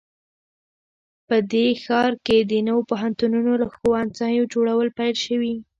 په دې ښار کې د نوو پوهنتونونو او ښوونځیو جوړول پیل شوي